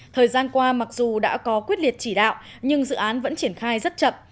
thời gian qua mặc dù đã có quyết liệt chỉ đạo nhưng dự án vẫn triển khai rất chậm